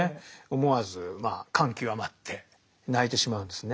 思わず感極まって泣いてしまうんですね。